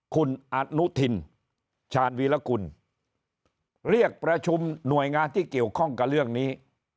คุณอนุทินชาญวีรกุลเรียกประชุมหน่วยงานที่เกี่ยวข้องกับเรื่องนี้